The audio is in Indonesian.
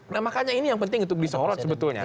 nah makanya ini yang penting untuk disorot sebetulnya